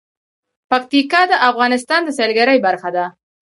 پکتیکا د افغانستان د سیلګرۍ برخه ده.